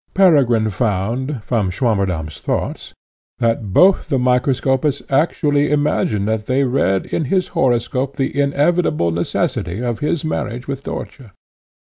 Peregrine found, from Swammerdamm's thoughts, that both the microscopists actually imagined they had read in his horoscope the inevitable necessity of his marriage with Dörtje.